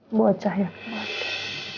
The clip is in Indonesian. mau cahaya keluarga